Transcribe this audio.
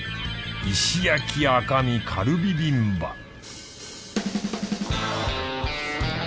石焼き赤身カルビビンバ